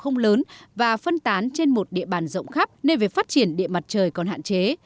không lớn và phân tán trên một địa bàn rộng khắp nên về phát triển địa mặt trời còn hạn chế